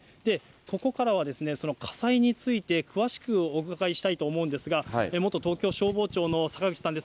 ここからは火災について詳しくお伺いしたいと思うんですが、元東京消防庁の坂口さんです。